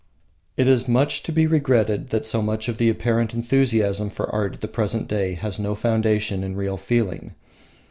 It is much to be regretted that so much of the apparent enthusiasm for art at the present day has no foundation in real feeling.